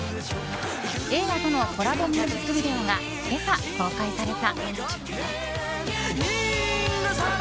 映画とのコラボミュージックビデオが今朝、解禁された。